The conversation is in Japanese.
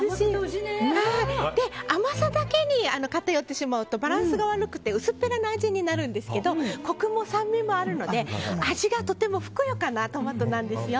甘さだけに偏ってしまうとバランスが悪くて薄っぺらな味になるんですけどコクも酸味もあるので味がとてもふくよかなトマトなんですよ。